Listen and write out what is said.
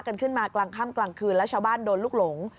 กันขึ้นมากลางค่ำกลางคืนแล้วชาวบ้านโดนลูกหลง